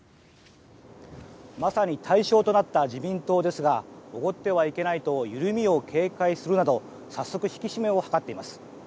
まさに大勝となった自民党ですがおごってはいけないと緩みを警戒するなど早速引き締めを図っています。